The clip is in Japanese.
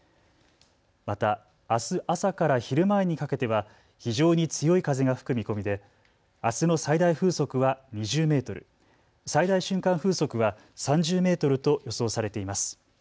また、あす朝から昼前にかけては非常に強い風が吹く見込みであすの最大風速は２０メートル、最大瞬間風速は３０メートルと予想されています。